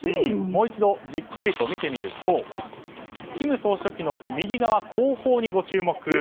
もう一度じっくりと見てみると金総書記の右側後方にご注目。